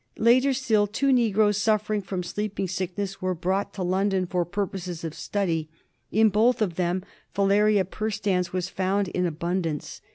Later still, two negroes suffering from Sleeping Sickness were brought to London for purposes of study ; in both of them Filaria perstans was found in abundance.